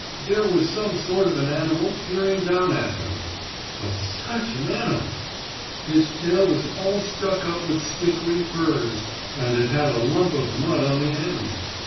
There was some sort of an animal peering down at him. But such an animal! His tail was all stuck up with stickery burrs, and it had a lump of mud on the end.